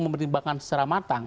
mempertimbangkan secara matang